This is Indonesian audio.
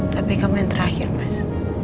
tapi kamu yang terakhir mas